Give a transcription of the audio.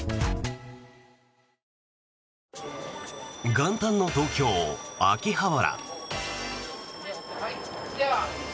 元旦の東京・秋葉原。